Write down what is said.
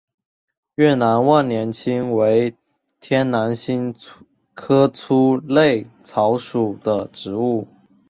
越南万年青为天南星科粗肋草属的植物。